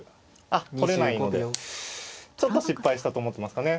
あっ取れないのでちょっと失敗したと思ってますかね。